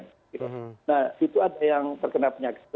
nah itu ada yang terkena penyakit